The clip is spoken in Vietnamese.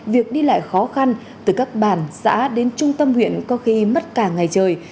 việc đi lại khó khăn từ các bản xã đến trung tâm huyện có khi mất cả ngày trời